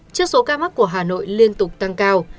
trước số ca mắc của hà nội liên tục tăng cao